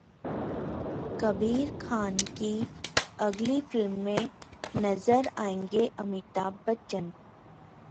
कबीर खान की अगली फिल्म में नजर आएंगे अमिताभ बच्चन